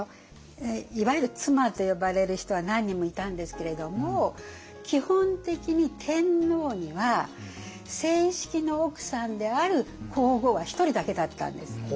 いわゆる妻と呼ばれる人は何人もいたんですけれども基本的に天皇には正式の奥さんである皇后は１人だけだったんです。